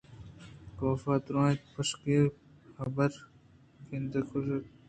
کافءَدرّائینتءُپشتوکائی جیریمیاءِ کبند کُتءُداشت